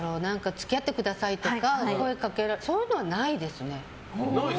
付き合ってくださいとか声掛けられるっていうそういうのはないですね。